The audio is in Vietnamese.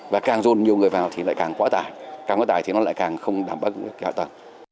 và càng dồn nhiều người vào thì lại càng quá tải càng quá tải thì nó lại càng không đảm bảo hạ tầng